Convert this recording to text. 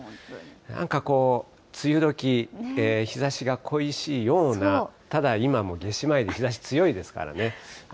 なんかこう梅雨どき、日ざしが恋しいような、ただ、今も夏至前で日ざし強いですからね。